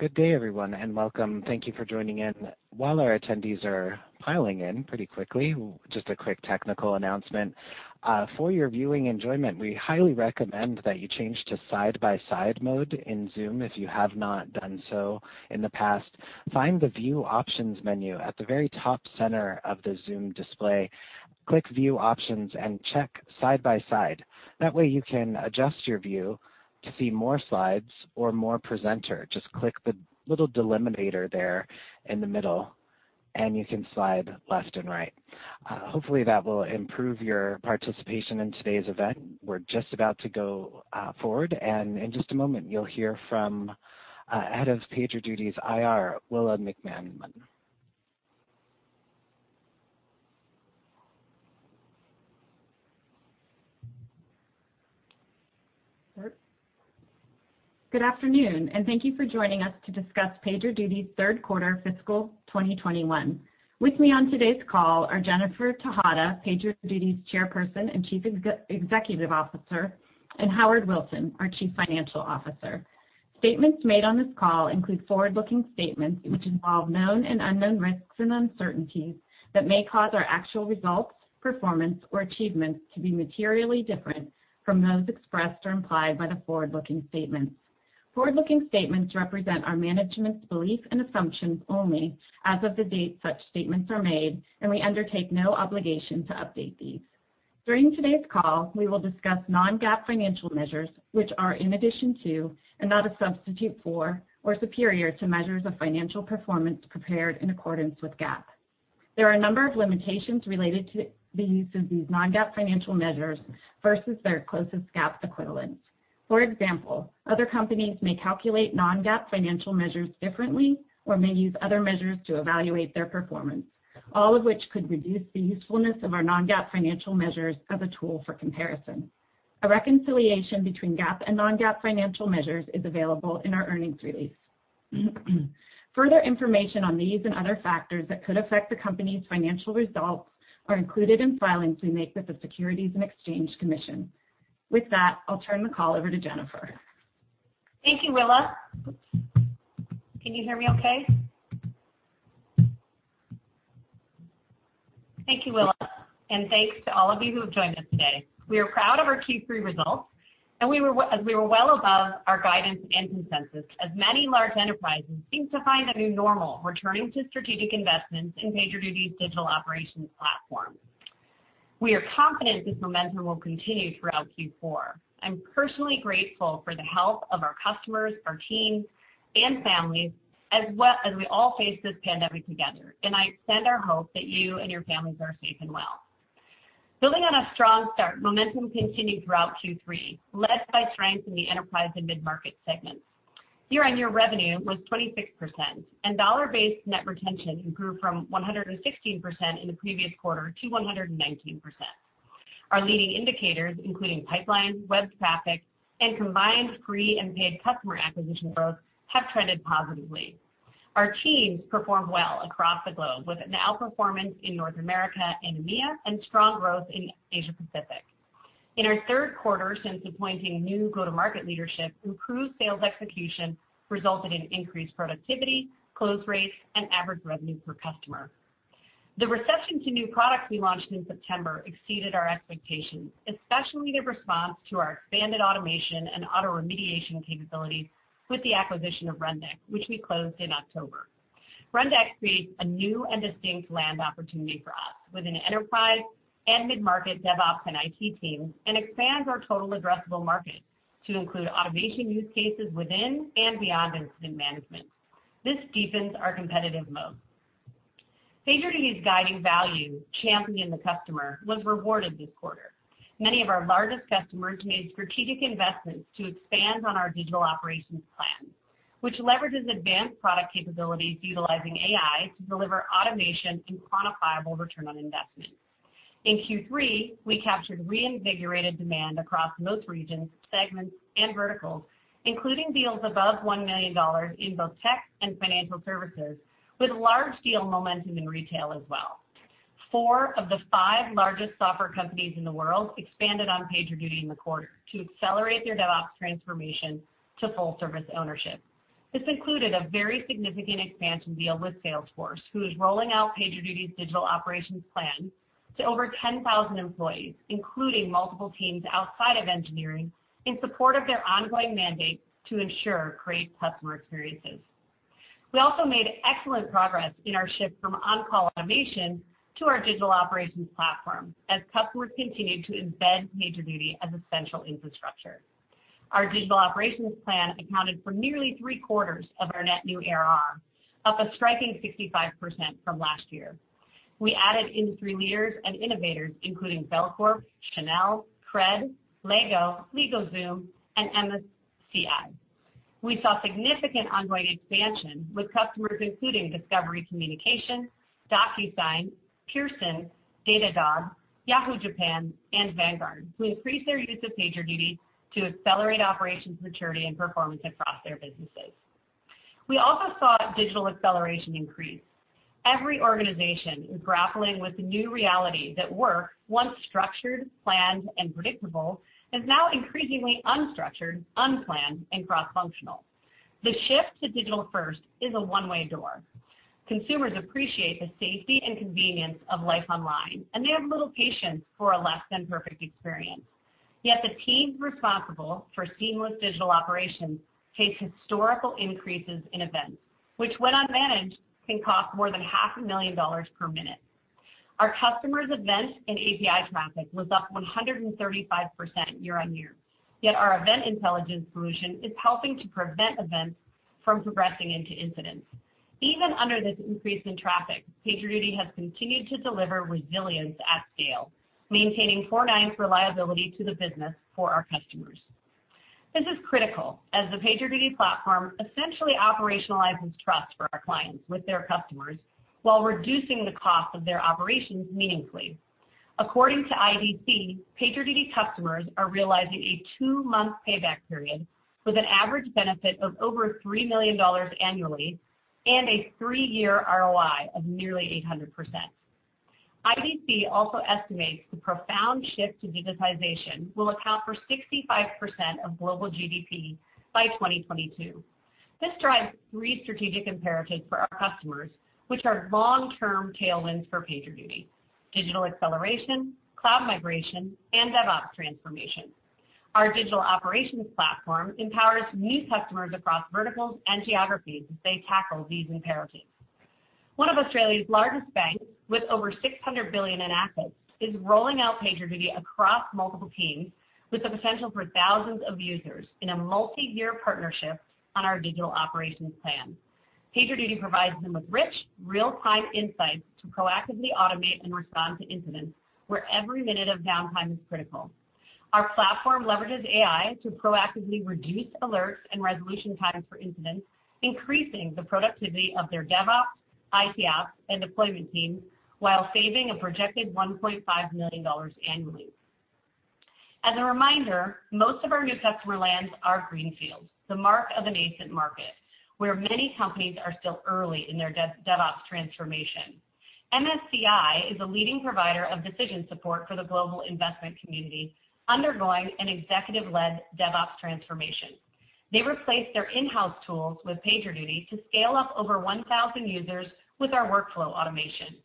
Good day everyone, and welcome. Thank you for joining in. While our attendees are piling in pretty quickly, just a quick technical announcement. For your viewing enjoyment, we highly recommend that you change to side-by-side mode in Zoom if you have not done so in the past. Find the View Options menu at the very top center of the Zoom display. Click View Options and check Side-by-Side. That way you can adjust your view to see more slides or more presenter. Just click the little delimiter there in the middle, and you can slide left and right. Hopefully, that will improve your participation in today's event. We're just about to go forward, and in just a moment, you'll hear from head of PagerDuty's IR, Willa McManmon. Good afternoon, and thank you for joining us to discuss PagerDuty's third quarter fiscal 2021. With me on today's call are Jennifer Tejada, PagerDuty's Chairperson and Chief Executive Officer, and Howard Wilson, our Chief Financial Officer. Statements made on this call include forward-looking statements which involve known and unknown risks and uncertainties that may cause our actual results, performance, or achievements to be materially different from those expressed or implied by the forward-looking statements. Forward-looking statements represent our management's belief and assumptions only as of the date such statements are made, and we undertake no obligation to update these. During today's call, we will discuss non-GAAP financial measures, which are in addition to and not a substitute for or superior to measures of financial performance prepared in accordance with GAAP. There are a number of limitations related to the use of these non-GAAP financial measures versus their closest GAAP equivalents. For example, other companies may calculate non-GAAP financial measures differently or may use other measures to evaluate their performance, all of which could reduce the usefulness of our non-GAAP financial measures as a tool for comparison. A reconciliation between GAAP and non-GAAP financial measures is available in our earnings release. Further information on these and other factors that could affect the company's financial results are included in filings we make with the Securities and Exchange Commission. With that, I'll turn the call over to Jennifer. Thank you, Willa. Can you hear me okay? Thank you, Willa, and thanks to all of you who have joined us today. We are proud of our Q3 results. We were well above our guidance and consensus as many large enterprises seem to find a new normal, returning to strategic investments in PagerDuty's Digital Operations Platform. We are confident this momentum will continue throughout Q4. I'm personally grateful for the help of our customers, our teams, and families as we all face this pandemic together. I extend our hope that you and your families are safe and well. Building on a strong start, momentum continued throughout Q3, led by strength in the enterprise and mid-market segments. Year-on-year revenue was 26%. Dollar-based net retention grew from 116% in the previous quarter to 119%. Our leading indicators, including pipelines, web traffic, and combined free and paid customer acquisition growth, have trended positively. Our teams performed well across the globe, with an outperformance in North America and EMEA and strong growth in Asia-Pacific. In our third quarter since appointing new go-to-market leadership, improved sales execution resulted in increased productivity, close rates, and average revenue per customer. The reception to new products we launched in September exceeded our expectations, especially the response to our expanded automation and auto-remediation capabilities with the acquisition of Rundeck, which we closed in October. Rundeck creates a new and distinct land opportunity for us within enterprise and mid-market DevOps and IT teams and expands our total addressable market to include automation use cases within and beyond incident management. This deepens our competitive moat. PagerDuty's guiding value, Champion the Customer, was rewarded this quarter. Many of our largest customers made strategic investments to expand on our Digital Operations Plan, which leverages advanced product capabilities utilizing AI to deliver automation and quantifiable return on investment. In Q3, we captured reinvigorated demand across most regions, segments, and verticals, including deals above $1 million in both tech and financial services, with large deal momentum in retail as well. Four of the five largest software companies in the world expanded on PagerDuty in the quarter to accelerate their DevOps transformation to full service ownership. This included a very significant expansion deal with Salesforce, who is rolling out PagerDuty's Digital Operations Plan to over 10,000 employees, including multiple teams outside of engineering, in support of their ongoing mandate to ensure great customer experiences. We also made excellent progress in our shift from on-call automation to our Digital Operations Platform as customers continued to embed PagerDuty as essential infrastructure. Our Digital Operations Plan accounted for nearly 3/4 of our net new ARR, up a striking 65% from last year. We added industry leaders and innovators including Belcorp, Chanel, CRED, LEGO, LegalZoom, and MSCI. We saw significant ongoing expansion with customers including Discovery Communications, DocuSign, Pearson, Datadog, Yahoo! Japan, and Vanguard, who increased their use of PagerDuty to accelerate operations maturity and performance across their businesses. We also saw digital acceleration increase. Every organization is grappling with the new reality that work, once structured, planned, and predictable, is now increasingly unstructured, unplanned, and cross-functional. The shift to digital-first is a one-way door. Consumers appreciate the safety and convenience of life online, and they have little patience for a less-than-perfect experience. Yet the teams responsible for seamless digital operations face historical increases in events, which when unmanaged, can cost more than $500,000 per minute. Our customers' events and API traffic was up 135% year-on-year. Yet our Event Intelligence solution is helping to prevent events from progressing into incidents. Even under this increase in traffic, PagerDuty has continued to deliver resilience at scale, maintaining four-nines reliability to the business for our customers. This is critical, as the PagerDuty platform essentially operationalizes trust for our clients with their customers while reducing the cost of their operations meaningfully. According to IDC, PagerDuty customers are realizing a two-month payback period with an average benefit of over $3 million annually and a three-year ROI of nearly 800%. IDC also estimates the profound shift to digitization will account for 65% of global GDP by 2022. This drives three strategic imperatives for our customers, which are long-term tailwinds for PagerDuty, digital acceleration, cloud migration, and DevOps transformation. Our Digital Operations Platform empowers new customers across verticals and geographies as they tackle these imperatives. One of Australia's largest banks, with over $600 billion in assets, is rolling out PagerDuty across multiple teams with the potential for thousands of users in a multi-year partnership on our Digital Operations Plan. PagerDuty provides them with rich, real-time insights to proactively automate and respond to incidents where every minute of downtime is critical. Our platform leverages AI to proactively reduce alerts and resolution times for incidents, increasing the productivity of their DevOps, IT Ops, and deployment teams while saving a projected $1.5 million annually. As a reminder, most of our new customer lands are greenfields, the mark of a nascent market, where many companies are still early in their DevOps transformation. MSCI is a leading provider of decision support for the global investment community, undergoing an executive-led DevOps transformation. They replaced their in-house tools with PagerDuty to scale up over 1,000 users with our workflow automation.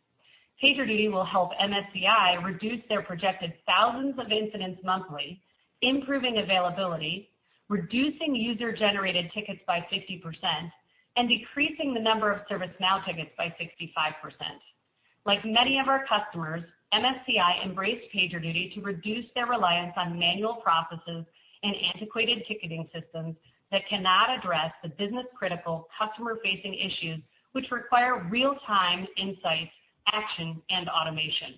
PagerDuty will help MSCI reduce their projected thousands of incidents monthly, improving availability, reducing user-generated tickets by 60%, and decreasing the number of ServiceNow tickets by 65%. Like many of our customers, MSCI embraced PagerDuty to reduce their reliance on manual processes and antiquated ticketing systems that cannot address the business-critical customer-facing issues which require real-time insights, action, and automation.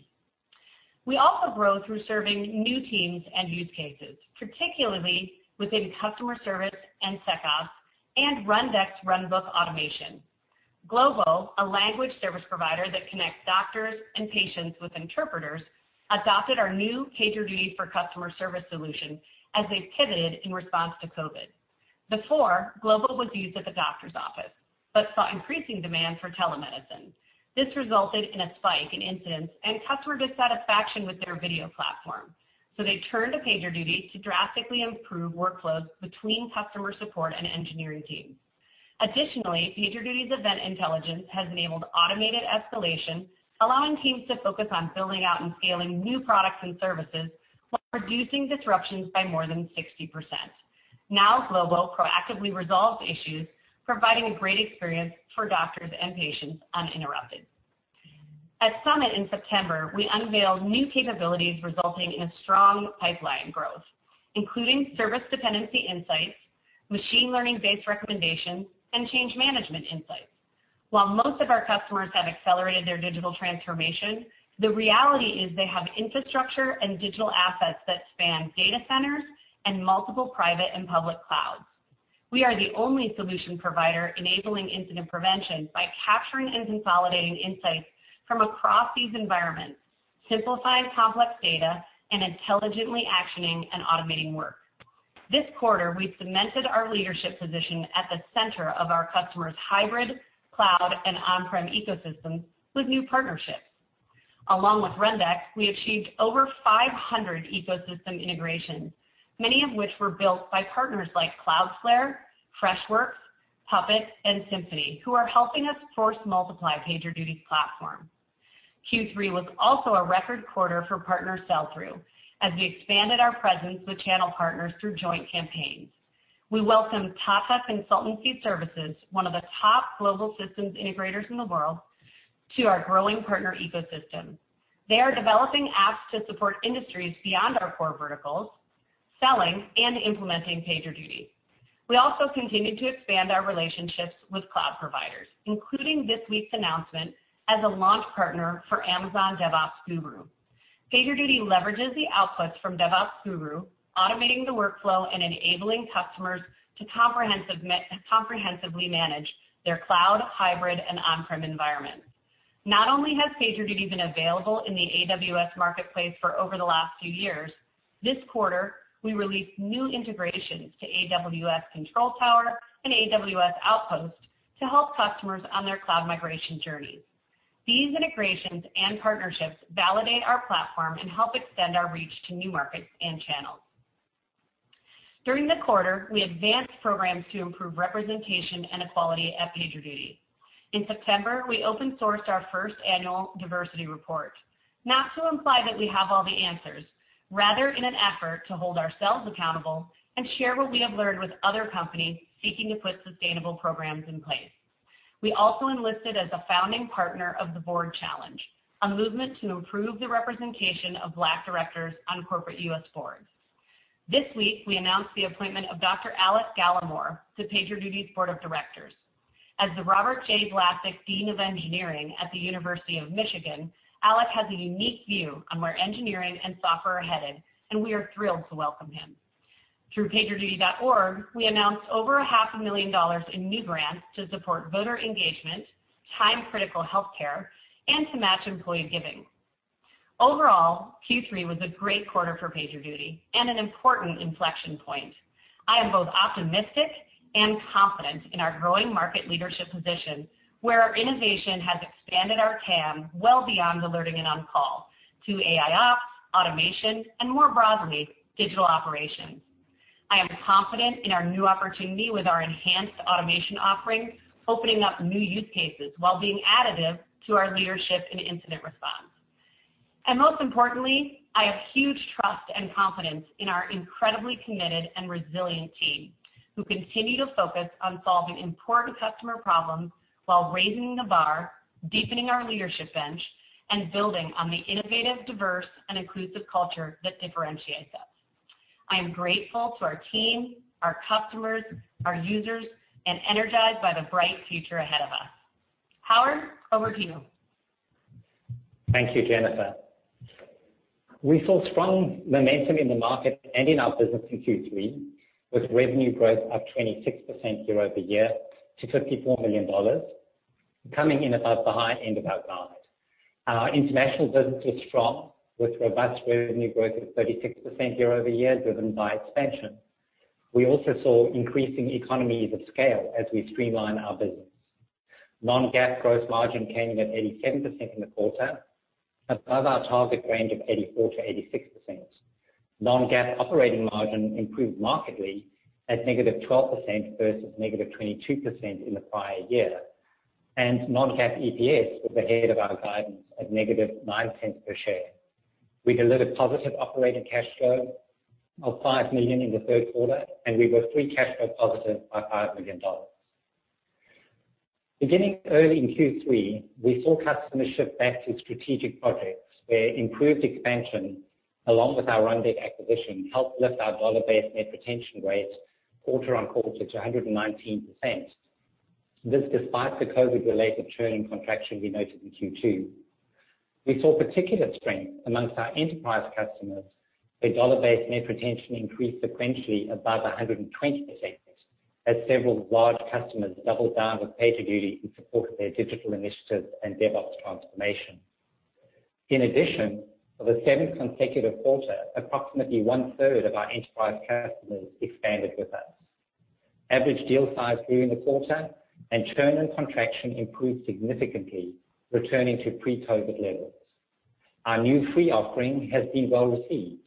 We also grow through serving new teams and use cases, particularly within customer service and SecOps, and Rundeck's Runbook Automation. GLOBO, a language service provider that connects doctors and patients with interpreters, adopted our new PagerDuty for Customer Service solution as they've pivoted in response to COVID. Before, GLOBO was used at the doctor's office, but saw increasing demand for telemedicine. This resulted in a spike in incidents and customer dissatisfaction with their video platform. They turned to PagerDuty to drastically improve workflows between customer support and engineering teams. Additionally, PagerDuty's Event Intelligence has enabled automated escalation, allowing teams to focus on building out and scaling new products and services while reducing disruptions by more than 60%. Now, GLOBO proactively resolves issues, providing a great experience for doctors and patients uninterrupted. At Summit in September, we unveiled new capabilities resulting in a strong pipeline growth, including service dependency insights, machine learning-based recommendations, and change management insights. While most of our customers have accelerated their digital transformation, the reality is they have infrastructure and digital assets that span data centers and multiple private and public clouds. We are the only solution provider enabling incident prevention by capturing and consolidating insights from across these environments, simplifying complex data, and intelligently actioning and automating work. This quarter, we've cemented our leadership position at the center of our customers' hybrid cloud and on-prem ecosystem with new partnerships. Along with Rundeck, we achieved over 500 ecosystem integrations, many of which were built by partners like Cloudflare, Freshworks, Puppet, and Symphony, who are helping us force multiply PagerDuty's platform. Q3 was also a record quarter for partner sell-through, as we expanded our presence with channel partners through joint campaigns. We welcome Tata Consultancy Services, one of the top global systems integrators in the world, to our growing partner ecosystem. They are developing apps to support industries beyond our core verticals, selling and implementing PagerDuty. We also continue to expand our relationships with cloud providers, including this week's announcement as a launch partner for Amazon DevOps Guru. PagerDuty leverages the outputs from DevOps Guru, automating the workflow and enabling customers to comprehensively manage their cloud, hybrid, and on-prem environments. Not only has PagerDuty been available in the AWS Marketplace for over the last few years. This quarter, we released new integrations to AWS Control Tower and AWS Outposts to help customers on their cloud migration journeys. These integrations and partnerships validate our platform and help extend our reach to new markets and channels. During the quarter, we advanced programs to improve representation and equality at PagerDuty. In September, we open sourced our first annual diversity report, not to imply that we have all the answers, rather in an effort to hold ourselves accountable and share what we have learned with other companies seeking to put sustainable programs in place. We also enlisted as a founding partner of The Board Challenge, a movement to improve the representation of Black directors on corporate U.S. boards. This week, we announced the appointment of Dr. Alec Gallimore to PagerDuty's Board of Directors. As the Robert J. Vlasic Dean of Engineering at the University of Michigan, Alec has a unique view on where engineering and software are headed, and we are thrilled to welcome him. Through PagerDuty.org, we announced over a half a million dollars in new grants to support voter engagement, time-critical healthcare, and to match employee giving. Overall, Q3 was a great quarter for PagerDuty and an important inflection point. I am both optimistic and confident in our growing market leadership position, where our innovation has expanded our TAM well beyond alerting and on-call to AIOps, automation, and more broadly, digital operations. I am confident in our new opportunity with our enhanced automation offerings, opening up new use cases while being additive to our leadership in incident response. Most importantly, I have huge trust and confidence in our incredibly committed and resilient team, who continue to focus on solving important customer problems while raising the bar, deepening our leadership bench, and building on the innovative, diverse, and inclusive culture that differentiates us. I am grateful to our team, our customers, our users, and energized by the bright future ahead of us. Howard, over to you. Thank you, Jennifer. We saw strong momentum in the market and in our business in Q3, with revenue growth up 26% year-over-year to $54 million, coming in about the high end of our guidance. Our international business was strong, with robust revenue growth of 36% year-over-year, driven by expansion. We also saw increasing economies of scale as we streamline our business. Non-GAAP gross margin came in at 87% in the quarter, above our target range of 84%-86%. Non-GAAP operating margin improved markedly at -12% versus -22% in the prior year. Non-GAAP EPS was ahead of our guidance at -$0.09 per share. We delivered positive operating cash flow of $5 million in the third quarter. We were free cash flow-positive by $5 million. Beginning early in Q3, we saw customers shift back to strategic projects, where improved expansion along with our Rundeck acquisition helped lift our dollar-based net retention rate quarter-on-quarter to 119%. This despite the COVID-related churn and contraction we noted in Q2. We saw particular strength amongst our enterprise customers, where dollar-based net retention increased sequentially above 120% as several large customers doubled down with PagerDuty in support of their digital initiatives and DevOps transformation. In addition, for the seventh consecutive quarter, approximately one-third of our enterprise customers expanded with us. Average deal size grew in the quarter, and churn and contraction improved significantly, returning to pre-COVID levels. Our new free offering has been well-received,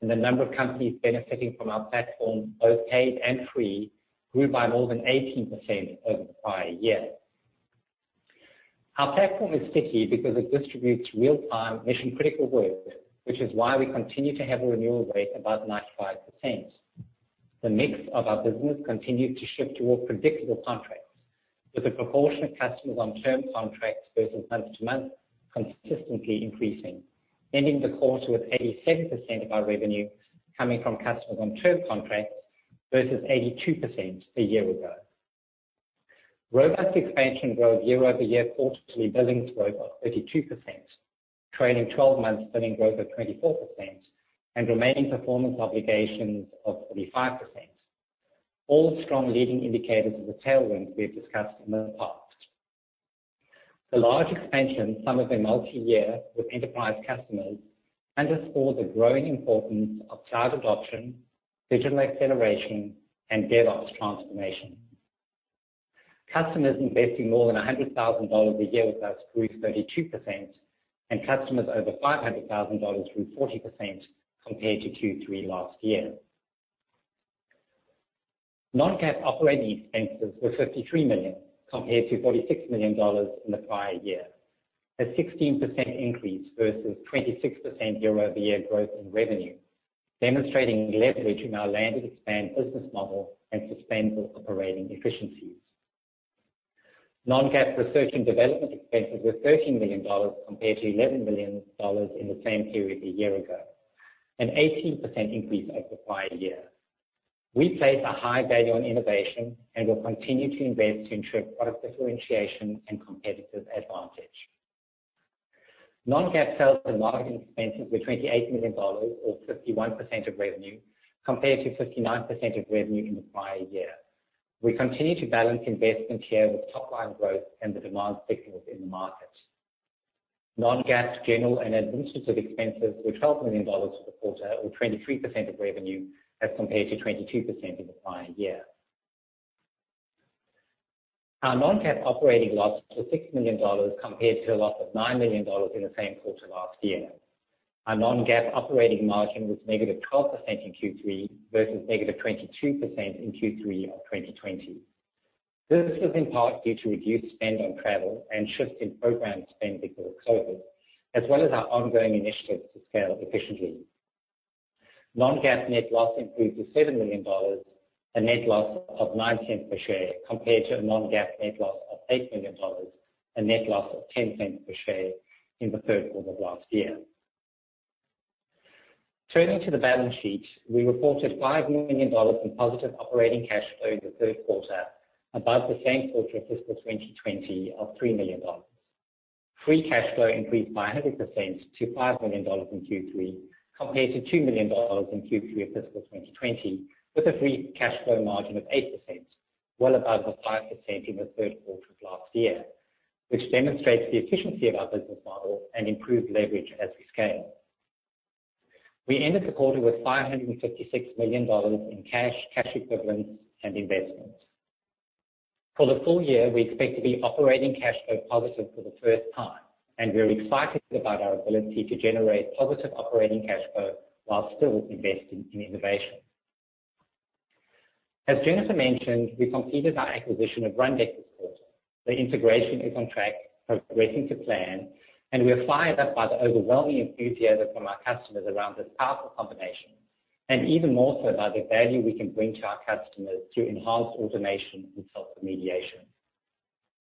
and the number of companies benefiting from our platform, both paid and free, grew by more than 18% over the prior year. Our platform is sticky because it distributes real-time mission-critical work, which is why we continue to have a renewal rate above 95%. The mix of our business continued to shift toward predictable contracts, with the proportion of customers on term contracts versus month-to-month consistently increasing, ending the quarter with 87% of our revenue coming from customers on term contracts versus 82% a year ago. Robust expansion growth year-over-year quarterly billings growth of 32%, trailing 12 months billing growth of 24%, and remaining performance obligations of 35%, all strong leading indicators of the tailwind we have discussed in the past. The large expansion, some of them multi-year with enterprise customers, underscores the growing importance of cloud adoption, digital acceleration, and DevOps transformation. Customers investing more than $100,000 a year with us grew 32%, and customers over $500,000 grew 40% compared to Q3 last year. Non-GAAP operating expenses were $53 million compared to $46 million in the prior year, a 16% increase versus 26% year-over-year growth in revenue, demonstrating leverage in our land-and-expand business model and sustainable operating efficiencies. Non-GAAP research and development expenses were $13 million compared to $11 million in the same period a year ago, an 18% increase over the prior year. We place a high value on innovation and will continue to invest to ensure product differentiation and competitive advantage. Non-GAAP sales and marketing expenses were $28 million, or 51% of revenue, compared to 59% of revenue in the prior year. We continue to balance investment here with top-line growth and the demand signals in the market. Non-GAAP general and administrative expenses were $12 million for the quarter, or 23% of revenue, as compared to 22% in the prior year. Our non-GAAP operating loss was $6 million compared to a loss of $9 million in the same quarter last year. Our non-GAAP operating margin was -12% in Q3 versus -22% in Q3 of 2020. This was in part due to reduced spend on travel and shifts in program spend because of COVID, as well as our ongoing initiatives to scale efficiently. Non-GAAP net loss increased to $7 million, a net loss of $0.19 per share compared to a non-GAAP net loss of $8 million, a net loss of $0.10 per share in the third quarter of last year. Turning to the balance sheet, we reported $5 million in positive operating cash flow in the third quarter, above the same quarter of fiscal 2020 of $3 million. Free cash flow increased by 100% to $5 million in Q3 compared to $2 million in Q3 of fiscal 2020, with a free cash flow margin of 8%, well above the 5% in the third quarter of last year, which demonstrates the efficiency of our business model and improved leverage as we scale. We ended the quarter with $556 million in cash equivalents, and investments. For the full year, we expect to be operating cash flow-positive for the first time, and we are excited about our ability to generate positive operating cash flow while still investing in innovation. As Jennifer mentioned, we completed our acquisition of Rundeck this quarter. The integration is on track, progressing to plan. We are fired up by the overwhelming enthusiasm from our customers around this powerful combination, and even more so about the value we can bring to our customers through enhanced automation and self-remediation.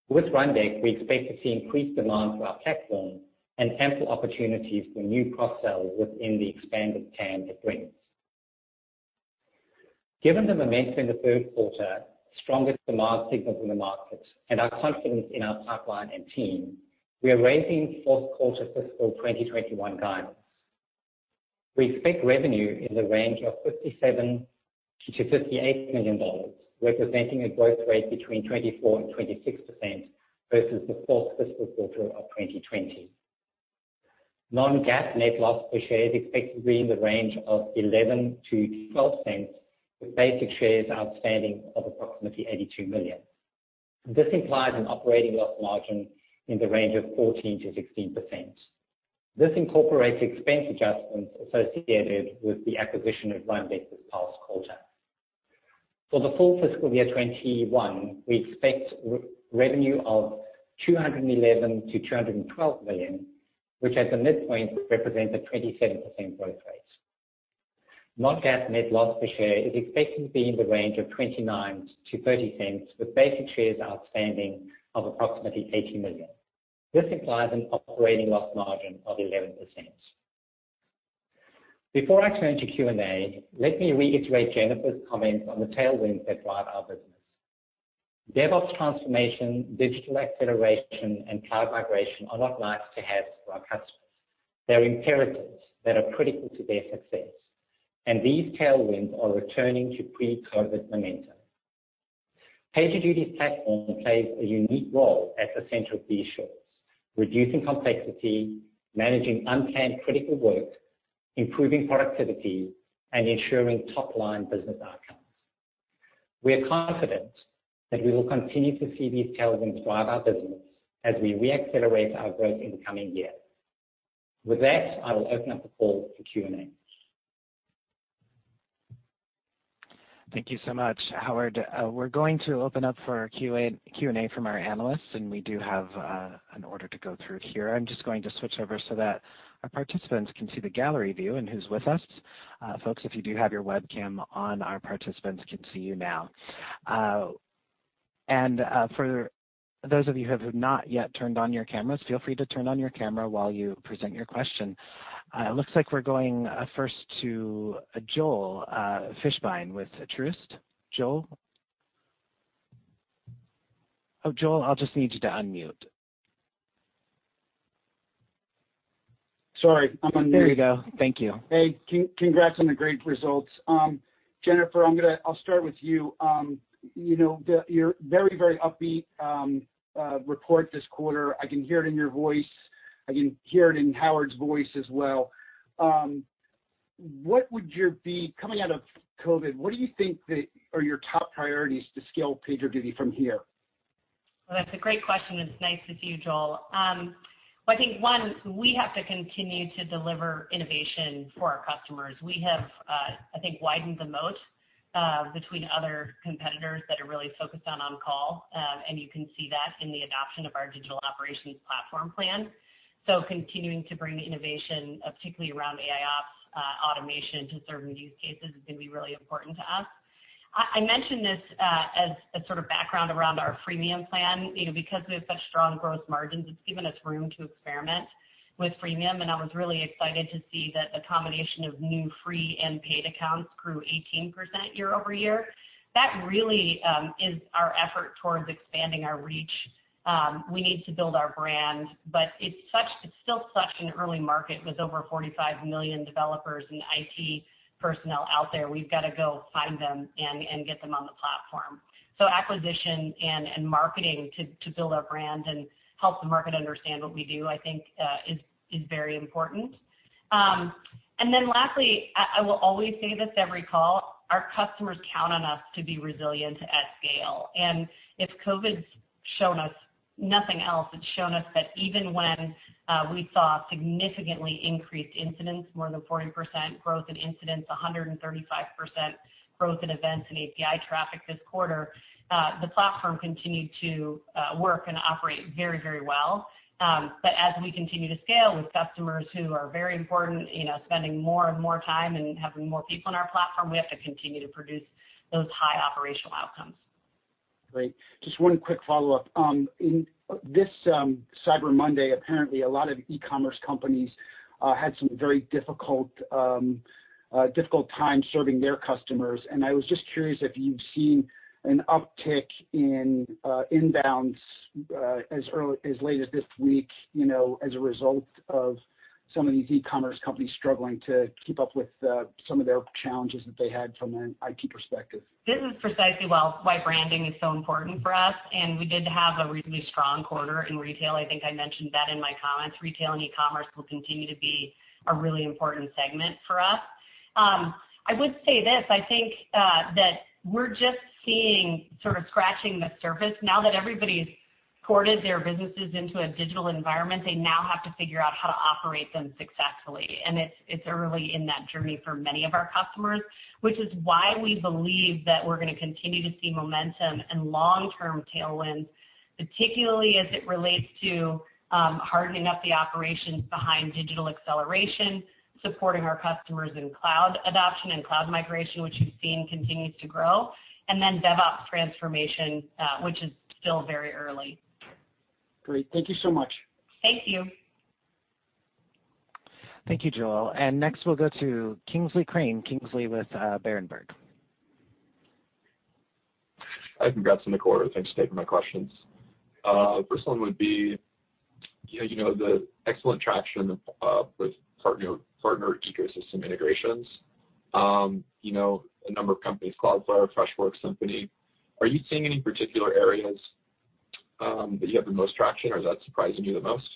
With Rundeck, we expect to see increased demand for our platform and ample opportunities for new cross-sell within the expanded TAM it brings. Given the momentum in the third quarter, stronger demand signals in the market, and our confidence in our pipeline and team, we are raising fourth quarter fiscal 2021 guidance. We expect revenue in the range of $57 million-$58 million, representing a growth rate between 24%-26% versus the fourth fiscal quarter of 2020. Non-GAAP net loss per share is expected to be in the range of $0.11-$0.12, with basic shares outstanding of approximately 82 million. This implies an operating loss margin in the range of 14%-16%. This incorporates expense adjustments associated with the acquisition of Rundeck this past quarter. For the full fiscal year 2021, we expect revenue of $211 million-$212 million, which at the midpoint represents a 27% growth rate. Non-GAAP net loss per share is expected to be in the range of $0.29-$0.30, with basic shares outstanding of approximately 80 million. This implies an operating loss margin of 11%. Before I turn to Q&A, let me reiterate Jennifer's comments on the tailwinds that drive our business. DevOps transformation, digital acceleration, and cloud migration are not nice-to-haves for our customers. They're imperatives that are critical to their success, and these tailwinds are returning to pre-COVID momentum. PagerDuty's platform plays a unique role at the center of these shifts, reducing complexity, managing unplanned critical work, improving productivity, and ensuring top-line business outcomes. We are confident that we will continue to see these tailwinds drive our business as we re-accelerate our growth in the coming year. With that, I will open up the call for Q&A. Thank you so much, Howard. We're going to open up for Q&A from our analysts. We do have an order to go through here. I'm just going to switch over so that our participants can see the gallery view and who's with us. Folks, if you do have your webcam on, our participants can see you now. For those of you who have not yet turned on your cameras, feel free to turn on your camera while you present your question. Looks like we're going first to Joel Fishbein with Truist. Joel? Joel, I'll just need you to unmute. Sorry, I'm unmuted. There we go. Thank you. Hey, congrats on the great results. Jennifer, I'll start with you. You're very upbeat report this quarter. I can hear it in your voice. I can hear it in Howard's voice as well. Coming out of COVID, what do you think are your top priorities to scale PagerDuty from here? That's a great question, and it's nice to see you, Joel. I think, one, we have to continue to deliver innovation for our customers. We have, I think, widened the moat between other competitors that are really focused on on-call, and you can see that in the adoption of our Digital Operations Platform plan. Continuing to bring innovation, particularly around AIOps automation to certain use cases, is going to be really important to us. I mentioned this as a sort of background around our freemium plan. We have such strong gross margins, it's given us room to experiment with freemium, and I was really excited to see that the combination of new free and paid accounts grew 18% year-over-year. That really is our effort towards expanding our reach. We need to build our brand, but it's still such an early market with over 45 million developers and IT personnel out there. We've got to go find them and get them on the platform. Acquisition and marketing to build our brand and help the market understand what we do, I think, is very important. Lastly, I will always say this every call, our customers count on us to be resilient at scale. If COVID's shown us nothing else, it's shown us that even when we saw significantly increased incidents, more than 40% growth in incidents, 135% growth in events and API traffic this quarter, the platform continued to work and operate very well. As we continue to scale with customers who are very important, spending more and more time and having more people on our platform, we have to continue to produce those high operational outcomes. Great. Just one quick follow-up. In this Cyber Monday, apparently, a lot of e-commerce companies had some very difficult time serving their customers. I was just curious if you've seen an uptick in inbounds as late as this week, as a result of some of these e-commerce companies struggling to keep up with some of their challenges that they had from an IT perspective? This is precisely why branding is so important for us, and we did have a really strong quarter in retail. I think I mentioned that in my comments. Retail and e-commerce will continue to be a really important segment for us. I would say this, I think that we're just seeing, sort of scratching the surface. Now that everybody's ported their businesses into a digital environment, they now have to figure out how to operate them successfully. It's early in that journey for many of our customers, which is why we believe that we're going to continue to see momentum and long-term tailwinds, particularly as it relates to hardening up the operations behind digital acceleration, supporting our customers in cloud adoption and cloud migration, which we've seen continues to grow, and then DevOps transformation, which is still very early. Great. Thank you so much. Thank you. Thank you, Joel. Next we'll go to Kingsley Crane. Kingsley with Berenberg. Hi, congrats on the quarter. Thanks today for my questions. First one would be the excellent traction with partner ecosystem integrations. A number of companies, Cloudflare, Freshworks, Symphony. Are you seeing any particular areas that you have the most traction, or is that surprising you the most?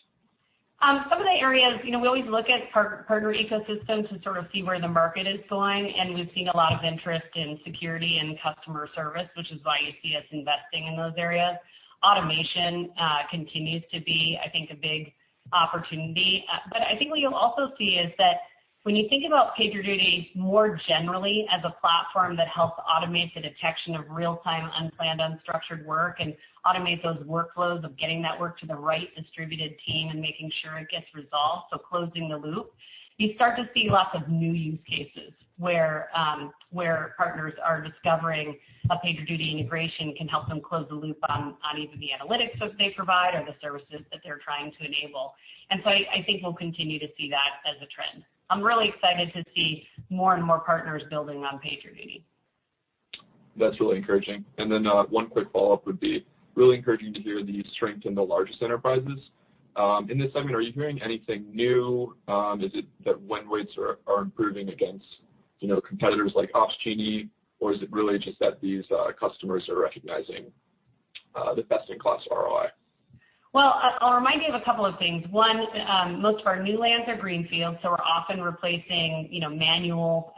Some of the areas, we always look at partner ecosystem to sort of see where the market is going, and we've seen a lot of interest in security and customer service, which is why you see us investing in those areas. Automation continues to be, I think, a big opportunity. I think what you'll also see is that when you think about PagerDuty more generally as a platform that helps automate the detection of real-time, unplanned, unstructured work and automate those workflows of getting that work to the right distributed team and making sure it gets resolved, so closing the loop, you start to see lots of new use cases where partners are discovering a PagerDuty integration can help them close the loop on either the analytics that they provide or the services that they're trying to enable. I think we'll continue to see that as a trend. I'm really excited to see more and more partners building on PagerDuty. That's really encouraging. One quick follow-up would be really encouraging to hear the strength in the largest enterprises. In this segment, are you hearing anything new? Is it that win rates are improving against competitors like Opsgenie, or is it really just that these customers are recognizing the best-in-class ROI? I'll remind you of a couple of things. One, most of our new lands are greenfields, so we're often replacing manual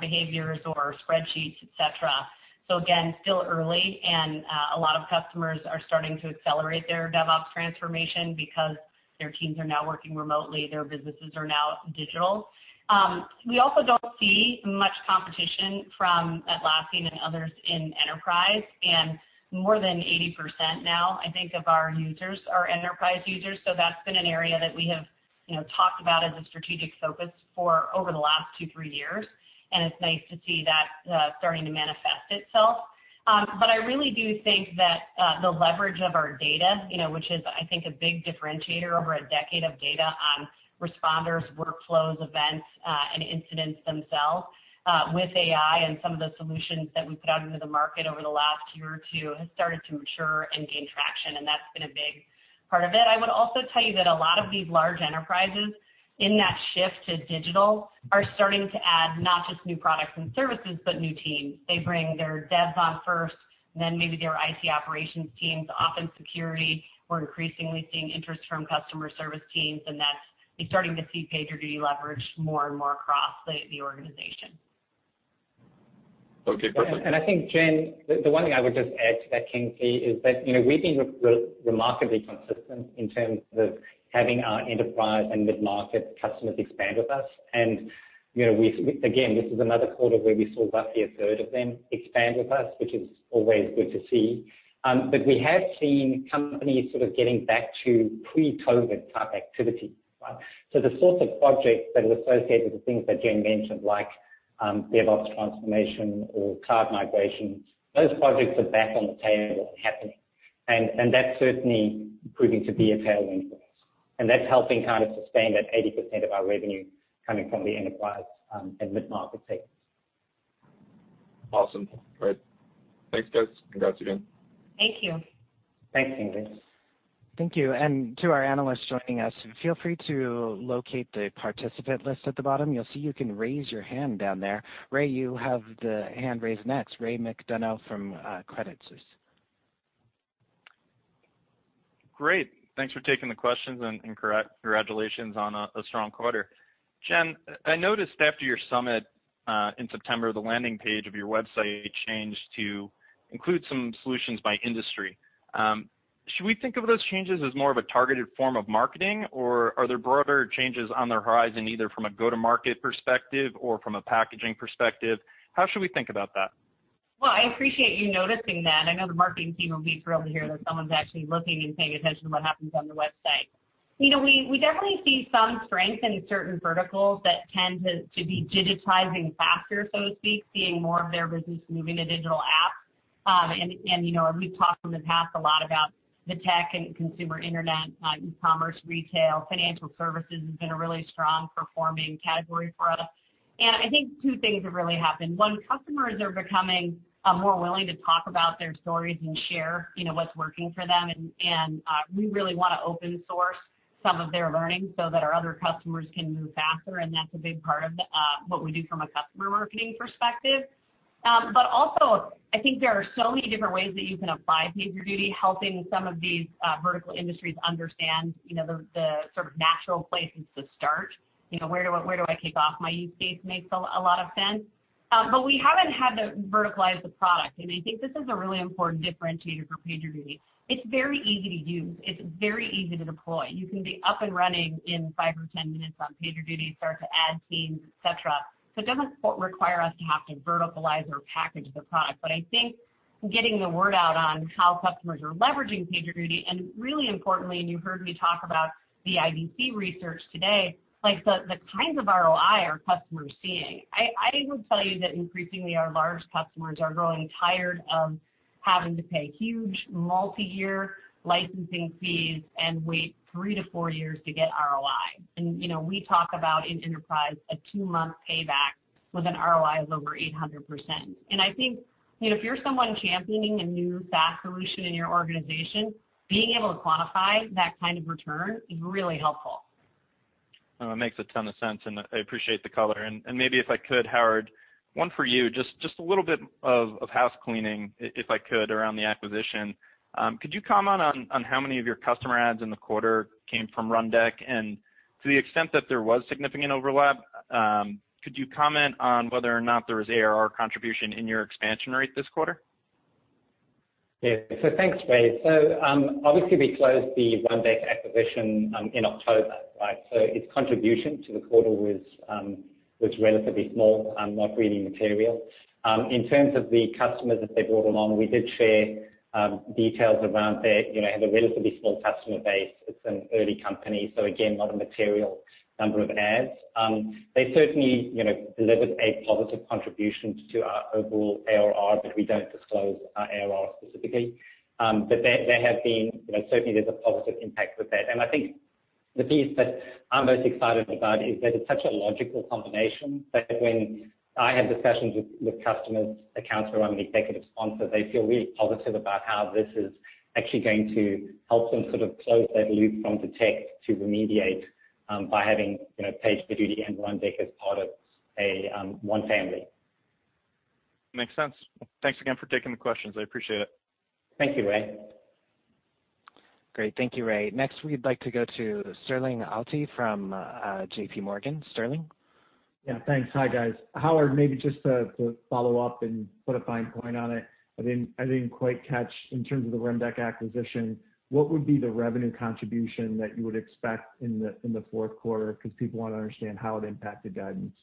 behaviors or spreadsheets, et cetera. Again, still early, and a lot of customers are starting to accelerate their DevOps transformation because their teams are now working remotely. Their businesses are now digital. We also don't see much competition from Atlassian and others in enterprise. More than 80% now, I think, of our users are enterprise users. That's been an area that we have talked about as a strategic focus for over the last two, three years, and it's nice to see that starting to manifest itself. I really do think that the leverage of our data, which is, I think, a big differentiator, over a decade of data on responders, workflows, events, and incidents themselves, with AI and some of the solutions that we put out into the market over the last year or two, has started to mature and gain traction, and that's been a big part of it. I would also tell you that a lot of these large enterprises in that shift to digital are starting to add not just new products and services, but new teams. They bring their devs on first, then maybe their IT operations teams, often security. We're increasingly seeing interest from customer service teams, and that's starting to see PagerDuty leverage more and more across the organization. Okay, perfect. I think, Jen, the one thing I would just add to that, Kingsley, is that we've been remarkably consistent in terms of having our enterprise and mid-market customers expand with us. Again, this is another quarter where we saw roughly a third of them expand with us, which is always good to see. We have seen companies sort of getting back to pre-COVID type activity. The sorts of projects that are associated with things that Jen mentioned, like DevOps transformation or cloud migration, those projects are back on the table and happening. That's certainly proving to be a tailwind for us. That's helping kind of sustain that 80% of our revenue coming from the enterprise and mid-market segment. Awesome. Great. Thanks, guys. Congrats again. Thank you. Thanks, Kingsley. Thank you. To our analysts joining us, feel free to locate the participant list at the bottom. You'll see you can raise your hand down there. Ray, you have the hand raised next. Ray McDonough from Credit Suisse. Great. Thanks for taking the questions, congratulations on a strong quarter. Jen, I noticed after your Summit, in September, the landing page of your website changed to include some solutions by industry. Should we think of those changes as more of a targeted form of marketing, or are there broader changes on the horizon, either from a go-to-market perspective or from a packaging perspective? How should we think about that? I appreciate you noticing that. I know the marketing team will be thrilled to hear that someone's actually looking and paying attention to what happens on the website. We definitely see some strength in certain verticals that tend to be digitizing faster, so to speak, seeing more of their business moving to digital apps. We've talked in the past a lot about the tech and consumer internet, e-commerce, retail. Financial services has been a really strong-performing category for us. I think two things have really happened. One, customers are becoming more willing to talk about their stories and share what's working for them, and we really want to open-source some of their learning so that our other customers can move faster, and that's a big part of what we do from a customer marketing perspective. Also, I think there are so many different ways that you can apply PagerDuty, helping some of these vertical industries understand the sort of natural places to start. Where do I kick off my use case makes a lot of sense. We haven't had to verticalize the product, and I think this is a really important differentiator for PagerDuty. It's very easy to use. It's very easy to deploy. You can be up and running in five or 10 minutes on PagerDuty, start to add teams, et cetera. It doesn't require us to have to verticalize or package the product. I think getting the word out on how customers are leveraging PagerDuty, and really importantly, and you heard me talk about the IDC research today, like the kinds of ROI our customers are seeing. I will tell you that increasingly our large customers are growing tired of having to pay huge multi-year licensing fees and wait three to four years to get ROI. We talk about in enterprise a two-month payback with an ROI of over 800%. I think, if you're someone championing a new SaaS solution in your organization, being able to quantify that kind of return is really helpful. It makes a ton of sense. I appreciate the color. Maybe if I could, Howard, one for you, just a little bit of house cleaning, if I could, around the acquisition. Could you comment on how many of your customer adds in the quarter came from Rundeck? To the extent that there was significant overlap, could you comment on whether or not there was ARR contribution in your expansion rate this quarter? Thanks, Ray. Obviously we closed the Rundeck acquisition in October, its contribution to the quarter was relatively small, not really material. In terms of the customers that they brought along, we did share details around they have a relatively small customer base. It's an early company, so again, not a material number of adds. They certainly delivered a positive contribution to our overall ARR, we don't disclose our ARR specifically. There's a positive impact with that. I think the piece that I'm most excited about is that it's such a logical combination that when I have discussions with customers, accounts, or when the executive sponsors, they feel really positive about how this is actually going to help them sort of close that loop from detect to remediate, by having PagerDuty and Rundeck as part of one family. Makes sense. Thanks again for taking the questions. I appreciate it. Thank you, Ray. Great. Thank you, Ray. Next, we'd like to go to Sterling Auty from JPMorgan. Sterling? Yeah. Thanks. Hi, guys. Howard, maybe just to follow up and put a fine point on it, I didn't quite catch in terms of the Rundeck acquisition, what would be the revenue contribution that you would expect in the fourth quarter? Because people want to understand how it impacted guidance.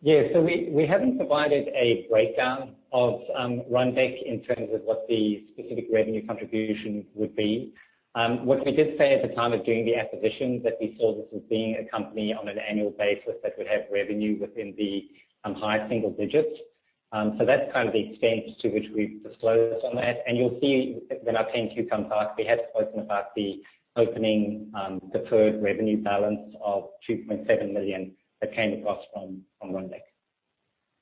We haven't provided a breakdown of Rundeck in terms of what the specific revenue contribution would be. What we did say at the time of doing the acquisition that we saw this as being a company on an annual basis that would have revenue within the high single digits. That's kind of the extent to which we've disclosed on that. You'll see when our 10-Q comes out, we had to open about the opening deferred revenue balance of $2.7 million that came across from Rundeck.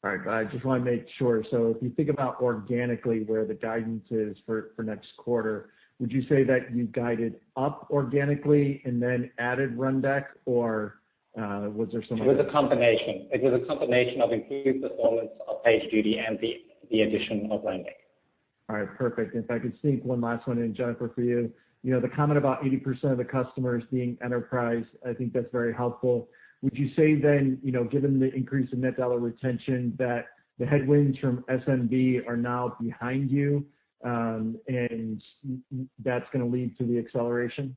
All right. I just want to make sure. If you think about organically where the guidance is for next quarter, would you say that you guided up organically and then added Rundeck, or was there some other? It was a combination. It was a combination of improved performance of PagerDuty and the addition of Rundeck. All right, perfect. If I could sneak one last one in, Jennifer, for you. The comment about 80% of the customers being enterprise, I think that's very helpful. Would you say then, given the increase in net dollar retention, that the headwinds from SMB are now behind you, and that's going to lead to the acceleration?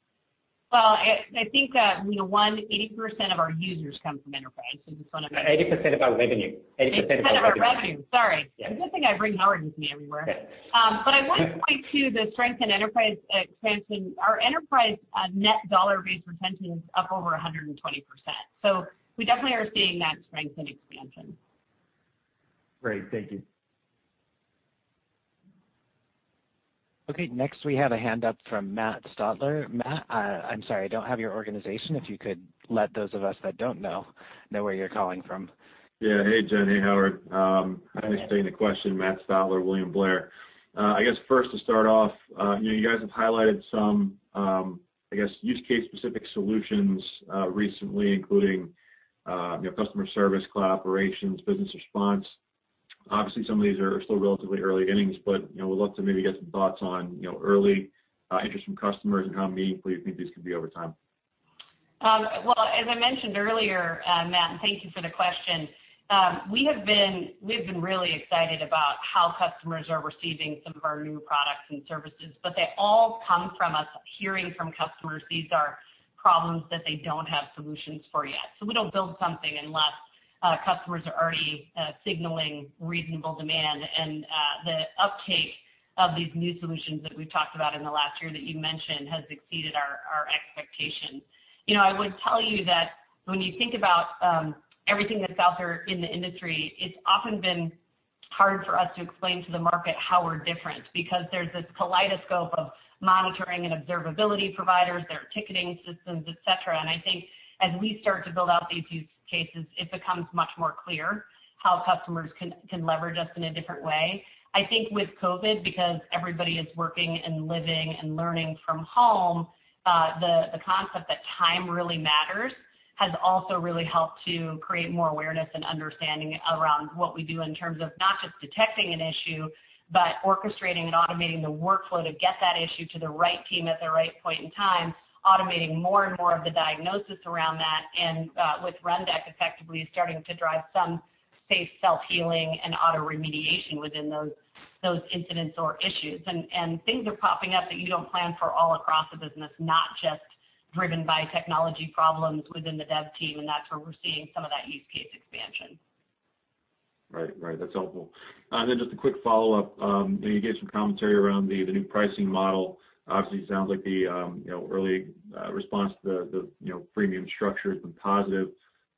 Well, I think that one, 80% of our users come from enterprise. 80% of our revenue. 80% of our revenue. Sorry. It's a good thing I bring Howard with me everywhere. Yeah. I want to point to the strength in enterprise expansion. Our enterprise net dollar retention is up over 120%, so we definitely are seeing that strength and expansion. Great. Thank you. Okay. Next we have a hand up from Matt Stotler. Matt, I'm sorry, I don't have your organization. If you could let those of us that don't know where you're calling from. Yeah. Hey, Jen. Hey, Howard. Hey. Thanks for taking the question. Matt Stotler, William Blair. I guess first to start off, you guys have highlighted some, I guess, use case-specific solutions recently, including customer service collaborations, business response. Obviously, some of these are still relatively early innings, but we'd love to maybe get some thoughts on early interest from customers and how meaningful you think these could be over time. As I mentioned earlier, Matt, and thank you for the question, we have been really excited about how customers are receiving some of our new products and services. They all come from us hearing from customers these are problems that they don't have solutions for yet. We don't build something unless customers are already signaling reasonable demand. The uptake of these new solutions that we've talked about in the last year that you mentioned has exceeded our expectations. I would tell you that when you think about everything that's out there in the industry, it's often been hard for us to explain to the market how we're different, because there's this kaleidoscope of monitoring and observability providers, there are ticketing systems, et cetera. I think as we start to build out these use cases, it becomes much more clear how customers can leverage us in a different way. I think with COVID, because everybody is working and living and learning from home, the concept that time really matters has also really helped to create more awareness and understanding around what we do in terms of not just detecting an issue, but orchestrating and automating the workflow to get that issue to the right team at the right point in time, automating more and more of the diagnosis around that. With Rundeck effectively starting to drive some safe self-healing and auto remediation within those incidents or issues. Things are popping up that you don't plan for all across the business, not just driven by technology problems within the dev team, and that's where we're seeing some of that use case expansion. Right. That's helpful. Just a quick follow-up. You gave some commentary around the new pricing model. Obviously, sounds like the early response to the freemium structure has been positive.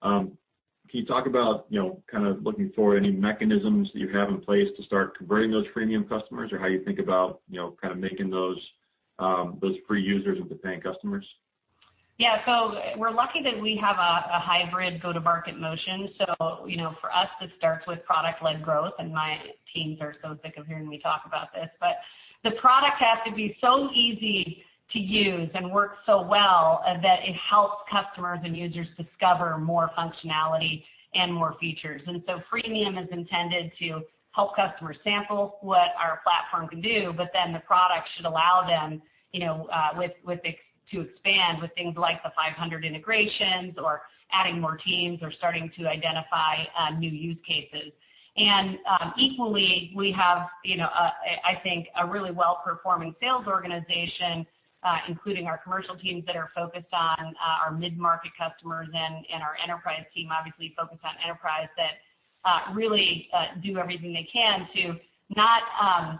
Can you talk about kind of looking forward, any mechanisms that you have in place to start converting those freemium customers or how you think about kind of making those free users into paying customers? Yeah. We're lucky that we have a hybrid go-to-market motion. For us, it starts with product-led growth, and my teams are so sick of hearing me talk about this. The product has to be so easy to use and work so well that it helps customers and users discover more functionality and more features. Freemium is intended to help customers sample what our platform can do, but then the product should allow them to expand with things like the 500 integrations or adding more teams or starting to identify new use cases. Equally, we have I think a really well-performing sales organization, including our commercial teams that are focused on our mid-market customers, and our enterprise team obviously focused on enterprise that really do everything they can to not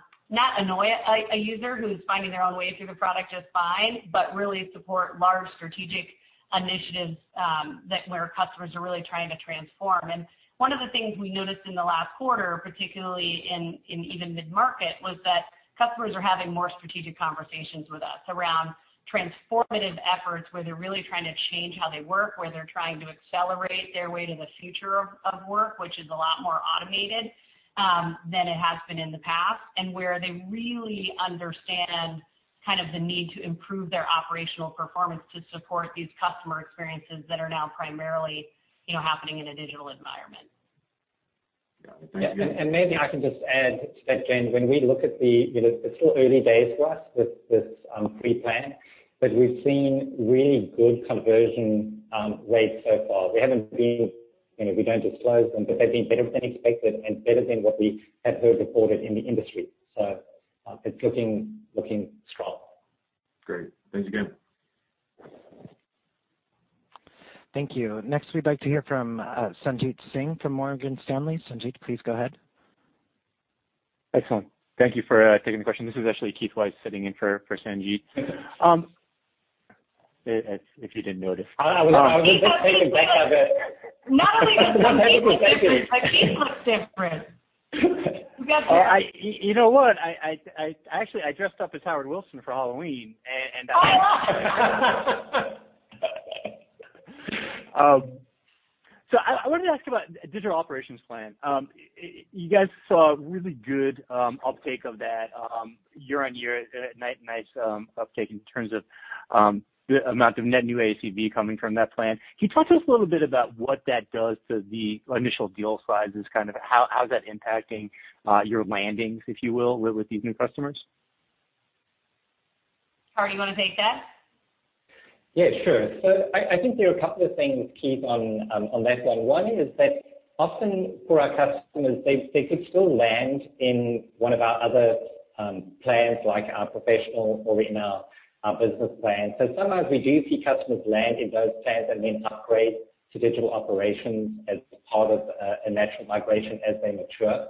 annoy a user who's finding their own way through the product just fine, but really support large strategic initiatives where customers are really trying to transform. One of the things we noticed in the last quarter, particularly in even mid-market, was that customers are having more strategic conversations with us around transformative efforts where they're really trying to change how they work, where they're trying to accelerate their way to the future of work, which is a lot more automated than it has been in the past. Where they really understand kind of the need to improve their operational performance to support these customer experiences that are now primarily happening in a digital environment. Got it. Thanks, Jen. Maybe I can just add to that, Jen. When we look at it's still early days for us with this free plan, but we've seen really good conversion rates so far. We don't disclose them, but they've been better than expected and better than what we had heard reported in the industry. It's looking strong. Great. Thanks again. Thank you. Next, we'd like to hear from Sanjit Singh from Morgan Stanley. Sanjit, please go ahead. Excellent. Thank you for taking the question. This is actually Keith Weiss sitting in for Sanjit. If you didn't notice. I was a bit taken back by the- Not only does he look different, but Keith looks different. You got this. You know what? I actually dressed up as Howard Wilson for Halloween. Oh. I wanted to ask about Digital Operations Plan. You guys saw really good uptake of that year-on-year, nice uptake in terms of the amount of net new ACV coming from that plan. Can you talk to us a little bit about what that does to the initial deal sizes, kind of how is that impacting your landings, if you will, with these new customers? Howard, you want to take that? Yeah, sure. I think there are a couple of things, Keith, on that one. One is that often for our customers, they could still land in one of our other plans, like our Professional or in our Business Plan. Sometimes we do see customers land in those plans and then upgrade to Digital Operations as part of a natural migration as they mature.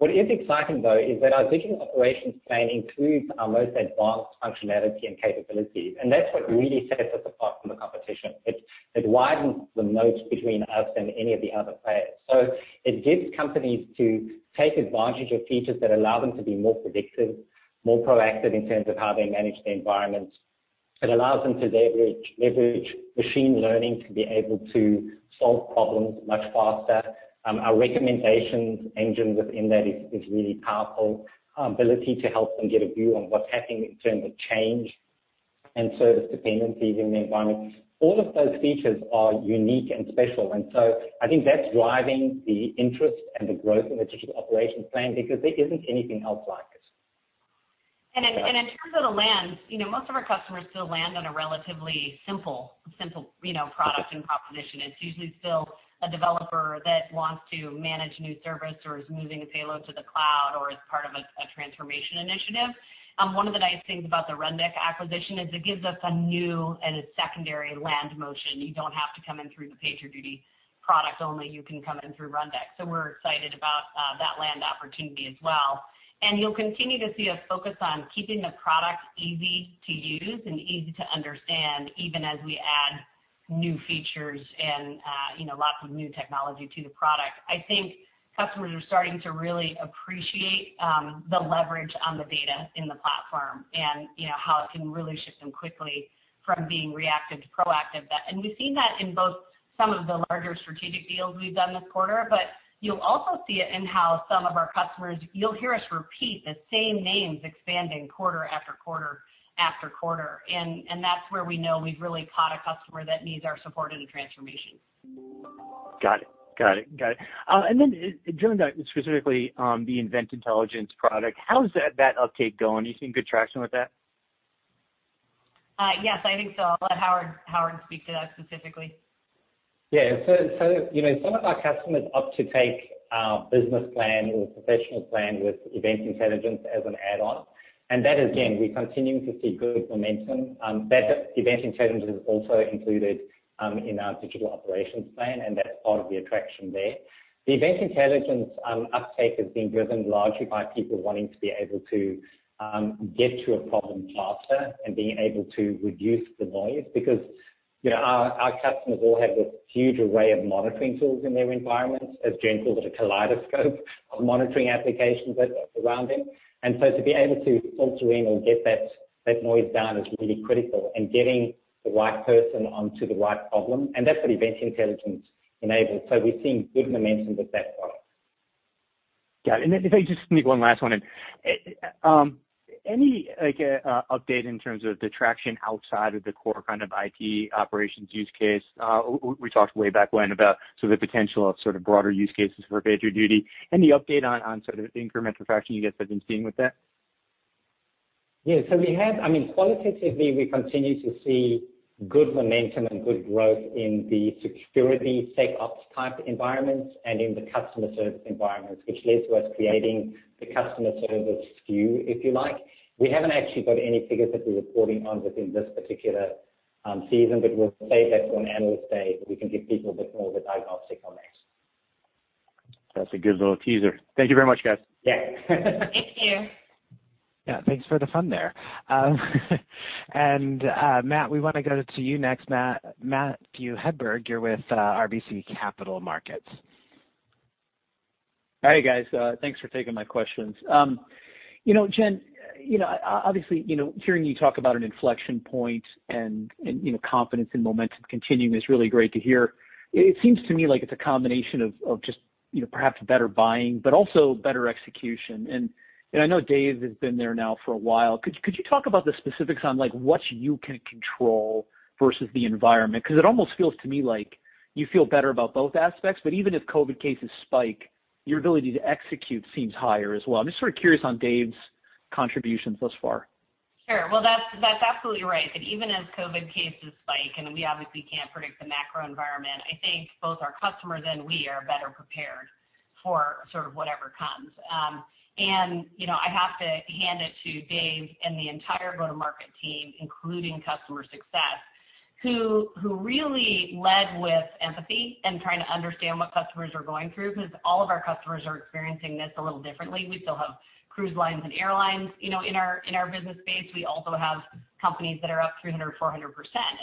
What is exciting, though, is that our Digital Operations Plan includes our most advanced functionality and capabilities, and that's what really sets us apart from the competition. It widens the moat between us and any of the other players. It gets companies to take advantage of features that allow them to be more predictive, more proactive in terms of how they manage their environments. It allows them to leverage machine learning to be able to solve problems much faster. Our recommendations engine within that is really powerful. Our ability to help them get a view on what's happening in terms of change and service dependencies in the environment. All of those features are unique and special. I think that's driving the interest and the growth in the Digital Operations Plan because there isn't anything else like it. In terms of the land, most of our customers still land on a relatively simple product and proposition. It's usually still a developer that wants to manage a new service or is moving a payload to the cloud or is part of a transformation initiative. One of the nice things about the Rundeck acquisition is it gives us a new and a secondary land motion. You don't have to come in through the PagerDuty product only. You can come in through Rundeck. We're excited about that land opportunity as well. You'll continue to see us focus on keeping the product easy to use and easy to understand, even as we add new features and lots of new technology to the product. I think customers are starting to really appreciate the leverage on the data in the platform, and how it can really shift them quickly from being reactive to proactive. We've seen that in both some of the larger strategic deals we've done this quarter. You'll also see it in how some of our customers, you'll hear us repeat the same names expanding quarter after quarter after quarter. That's where we know we've really caught a customer that needs our support in a transformation. Got it. Jen, specifically on the Event Intelligence product, how's that uptake going? Are you seeing good traction with that? Yes, I think so. I'll let Howard speak to that specifically. Yeah. Some of our customers opt to take our Business Plan or Professional Plan with Event Intelligence as an add-on. That, again, we're continuing to see good momentum. That Event Intelligence is also included in our Digital Operations Plan, and that's part of the attraction there. The Event Intelligence uptake has been driven largely by people wanting to be able to get to a problem faster and being able to reduce the noise because our customers all have this huge array of monitoring tools in their environments. As Jen calls it, a kaleidoscope of monitoring applications around them. To be able to filter in or get that noise down is really critical and getting the right person onto the right problem, and that's what Event Intelligence enables. We're seeing good momentum with that product. Got it. If I could just sneak one last one in. Any update in terms of the traction outside of the core kind of IT operations use case? We talked way back when about sort of the potential of sort of broader use cases for PagerDuty, any update on sort of the incremental traction you guys have been seeing with that? Yeah. Qualitatively, we continue to see good momentum and good growth in the security SecOps type environments and in the customer service environments, which leads to us creating the customer service SKU, if you like. We haven't actually got any figures that we're reporting on within this particular season, but we'll save that for an Analyst Day, we can give people a bit more of a diagnostic on that. That's a good little teaser. Thank you very much, guys. Yeah. Thank you. Yeah, thanks for the fun there. Matt, we want to go to you next. Matthew Hedberg, you're with RBC Capital Markets. All right, guys. Thanks for taking my questions. Jen, obviously, hearing you talk about an inflection point and confidence and momentum continuing is really great to hear. It seems to me like it's a combination of just perhaps better buying, but also better execution. I know Dave has been there now for a while. Could you talk about the specifics on what you can control versus the environment? It almost feels to me like you feel better about both aspects, but even if COVID cases spike, your ability to execute seems higher as well. I'm just sort of curious on Dave's contributions thus far. Sure. Well, that's absolutely right, that even as COVID cases spike, and we obviously can't predict the macro environment, I think both our customers and we are better prepared for sort of whatever comes. I have to hand it to Dave and the entire go-to-market team, including customer success, who really led with empathy and trying to understand what customers are going through because all of our customers are experiencing this a little differently. We still have cruise lines and airlines in our business base. We also have companies that are up 300%, 400%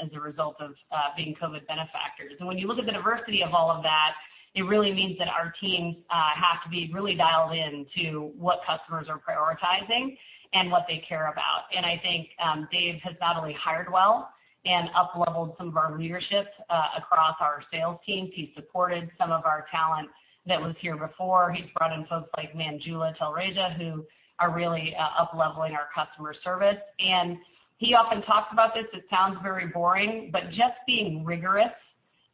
as a result of being COVID benefactors. When you look at the diversity of all of that, it really means that our teams have to be really dialed in to what customers are prioritizing and what they care about. I think Dave has not only hired well and up-leveled some of our leadership across our sales teams. He's supported some of our talent that was here before. He's brought in folks like Manjula Talreja, who are really up-leveling our customer service. He often talks about this, it sounds very boring, but just being rigorous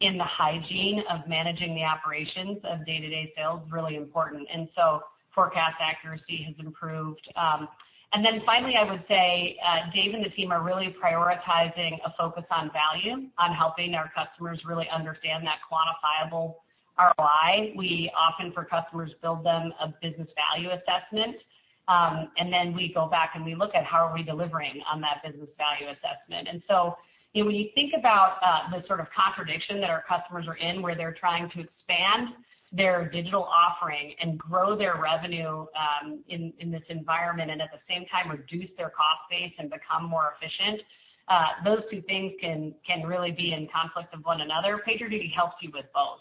in the hygiene of managing the operations of day-to-day sales is really important. Forecast accuracy has improved. Finally, I would say Dave and the team are really prioritizing a focus on value, on helping our customers really understand that quantifiable ROI. We often, for customers, build them a business value assessment. Then we go back, and we look at how are we delivering on that business value assessment. When you think about the sort of contradiction that our customers are in, where they're trying to expand their digital offering and grow their revenue in this environment, and at the same time reduce their cost base and become more efficient, those two things can really be in conflict of one another. PagerDuty helps you with both.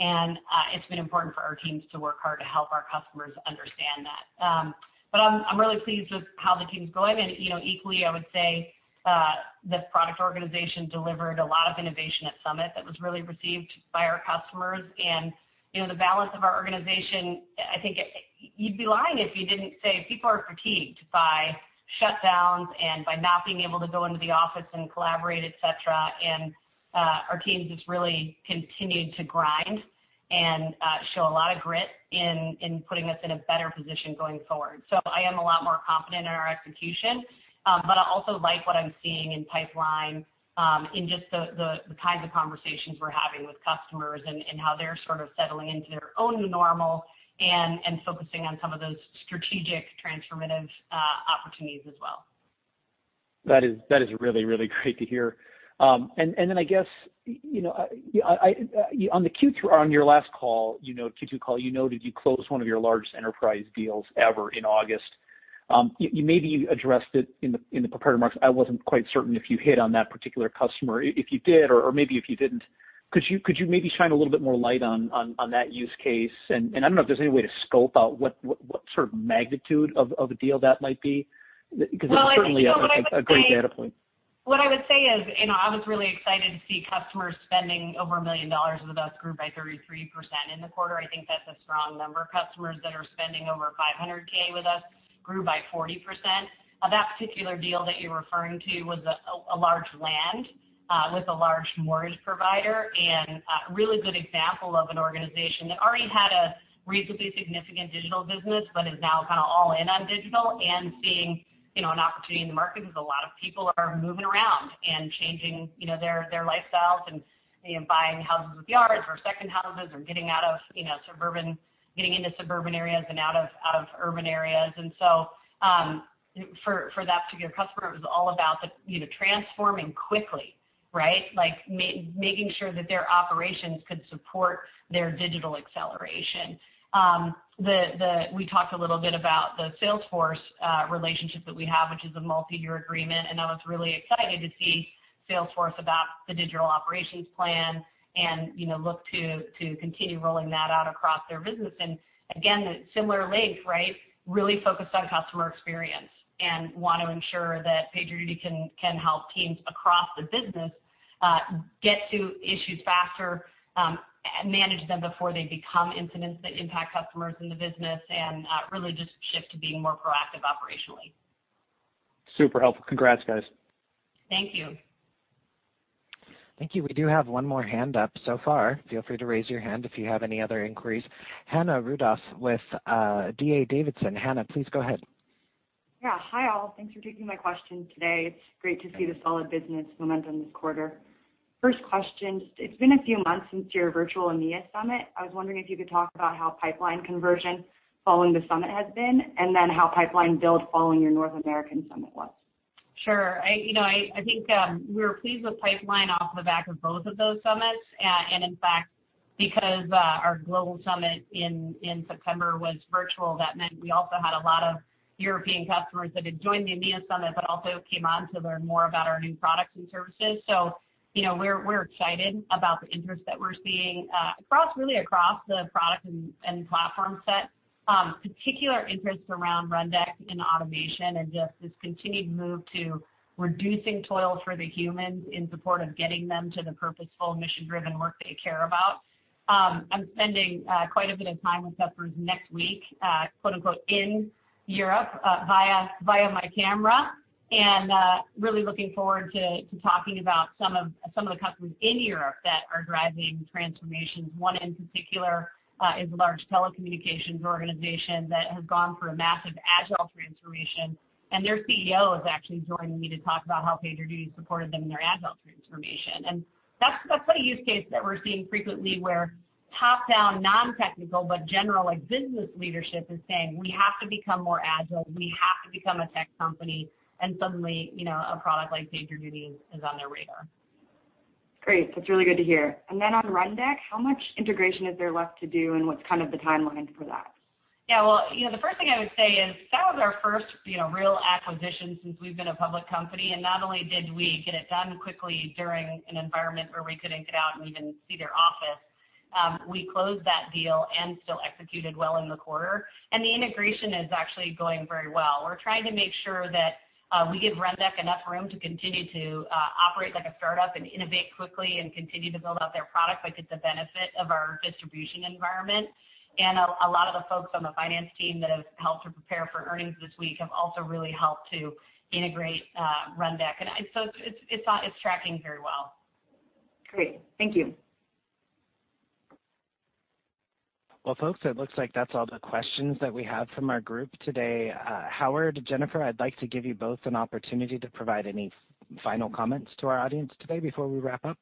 It's been important for our teams to work hard to help our customers understand that. I'm really pleased with how the team's going. Equally, I would say, the product organization delivered a lot of innovation at Summit that was really received by our customers. The balance of our organization, I think you'd be lying if you didn't say people are fatigued by shutdowns and by not being able to go into the office and collaborate, et cetera. Our team's just really continued to grind and show a lot of grit in putting us in a better position going forward. I am a lot more confident in our execution. I also like what I'm seeing in pipeline, in just the kinds of conversations we're having with customers and how they're sort of settling into their own normal and focusing on some of those strategic transformative opportunities as well. That is really great to hear. I guess on your last call, Q2 call, you noted you closed one of your largest enterprise deals ever in August. You maybe addressed it in the prepared remarks. I wasn't quite certain if you hit on that particular customer. If you did or maybe if you didn't, could you maybe shine a little bit more light on that use case? I don't know if there's any way to scope out what sort of magnitude of a deal that might be. Well, I think what I would say. A great data point. What I would say is, I was really excited to see customers spending over $1 million with us grew by 33% in the quarter. I think that's a strong number. Customers that are spending over $500,000 with us grew by 40%. That particular deal that you're referring to was a large land with a large mortgage provider, a really good example of an organization that already had a reasonably significant digital business, but is now kind of all in on digital. Seeing an opportunity in the market because a lot of people are moving around and changing their lifestyles and buying houses with yards or second houses or getting into suburban areas and out of urban areas. For that particular customer, it was all about transforming quickly, right? Making sure that their operations could support their digital acceleration. We talked a little bit about the Salesforce relationship that we have, which is a multi-year agreement. I was really excited to see Salesforce adopt the Digital Operations Plan and look to continue rolling that out across their business. Again, similarly, right, really focused on customer experience, and want to ensure that PagerDuty can help teams across the business get to issues faster, manage them before they become incidents that impact customers in the business, and really just shift to being more proactive operationally. Super helpful. Congrats, guys. Thank you. Thank you. We do have one more hand up so far. Feel free to raise your hand if you have any other inquiries. Hannah Rudoff with D.A. Davidson. Hannah, please go ahead. Hi, all. Thanks for taking my question today. It's great to see the solid business momentum this quarter. First question. It's been a few months since your Virtual EMEA Summit. I was wondering if you could talk about how pipeline conversion following the summit has been, and then how pipeline build following your North American summit was. Sure. I think we were pleased with pipeline off the back of both of those summits. In fact, because our global summit in September was virtual, that meant we also had a lot of European customers that had joined the EMEA Summit but also came on to learn more about our new products and services. We're excited about the interest that we're seeing really across the product and platform set. Particular interest around Rundeck and automation, and just this continued move to reducing toil for the humans in support of getting them to the purposeful, mission-driven work they care about. I'm spending quite a bit of time with customers next week in Europe via my camera, and really looking forward to talking about some of the customers in Europe that are driving transformations. One, in particular, is a large telecommunications organization that has gone through a massive agile transformation. Their CEO is actually joining me to talk about how PagerDuty supported them in their agile transformation. That's a use case that we're seeing frequently where top-down, non-technical but general business leadership is saying, "We have to become more agile. We have to become a tech company." Suddenly, a product like PagerDuty is on their radar. Great. That's really good to hear. On Rundeck, how much integration is there left to do, and what's kind of the timeline for that? Yeah. Well, the first thing I would say is that was our first real acquisition since we've been a public company. Not only did we get it done quickly during an environment where we couldn't get out and even see their office, we closed that deal and still executed well in the quarter. The integration is actually going very well. We're trying to make sure that we give Rundeck enough room to continue to operate like a startup and innovate quickly and continue to build out their product, but get the benefit of our distribution environment. A lot of the folks on the finance team that have helped to prepare for earnings this week have also really helped to integrate Rundeck. It's tracking very well. Great. Thank you. Well, folks, it looks like that's all the questions that we have from our group today. Howard, Jennifer, I'd like to give you both an opportunity to provide any final comments to our audience today before we wrap up.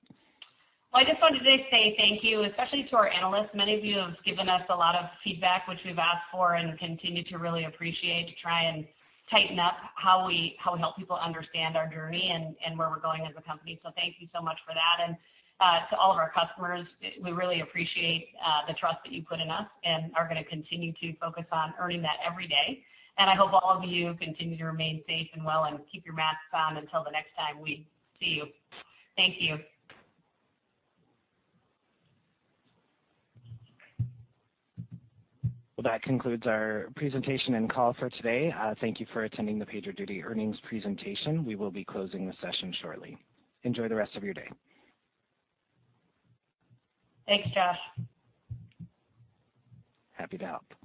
Well, I just wanted to say thank you, especially to our analysts. Many of you have given us a lot of feedback, which we've asked for and continue to really appreciate to try and tighten up how we help people understand our journey and where we're going as a company. Thank you so much for that. To all of our customers, we really appreciate the trust that you put in us and are going to continue to focus on earning that every day. I hope all of you continue to remain safe and well, and keep your masks on until the next time we see you. Thank you. Well, that concludes our presentation and call for today. Thank you for attending the PagerDuty earnings presentation. We will be closing the session shortly. Enjoy the rest of your day. Thanks, Josh. Happy to help.